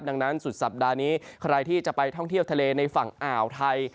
ดังนั้นสุดสัปดาห์นี้ใครที่จะไปท่องเที่ยวทะเลในฝั่งอ่าวไทย